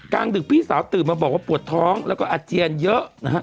ดึกพี่สาวตื่นมาบอกว่าปวดท้องแล้วก็อาเจียนเยอะนะฮะ